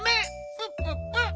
プププ！